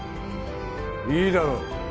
いいだろう。